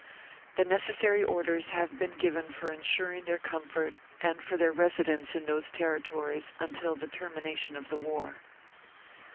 The neces sary orders have been given for ensuring their com fort, and for their residence in those territories until the termination of the war."